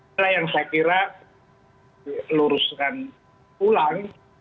nah ini adalah yang saya kira luruskan ulang